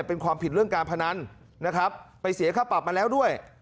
เป็นความผิดเรื่องการพนันนะครับไปเสียค่าปรับมาแล้วด้วย